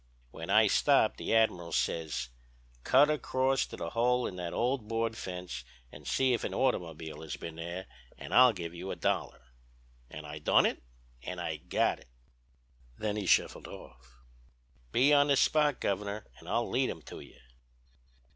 "'When I stopped the admiral says: "Cut across to the hole in that old board fence and see if an automobile has been there, and I'll give you a dollar." An' I done it, an' I got it.' "Then he shuffled off. "'Be on the spot, Governor, an' I'll lead him to you.'"